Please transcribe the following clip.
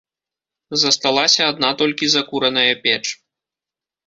Засталася адна толькі закураная печ.